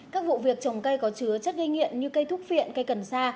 các vụ việc trồng cây có chứa chất gây nghiện như cây thúc phiện cây cần sa